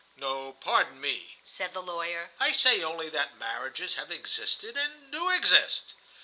"No, pardon me," said the lawyer. "I say only that marriages have existed and do exist."